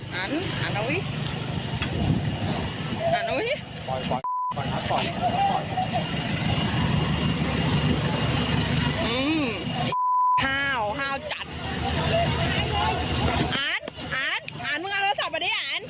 ห้าวห้าวจัด